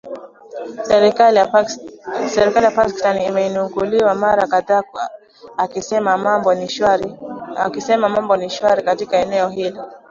serikali ya pakistan imenukuliwa mara kadhaa ikisema mambo ni shwari katika eneo hilo